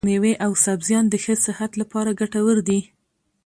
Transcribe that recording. مېوې او سبزيان د ښه صحت لپاره ګټور دي.